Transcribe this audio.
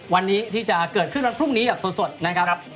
วันนี้ที่จะเกิดขึ้นวันพรุ่งนี้แบบสดนะครับ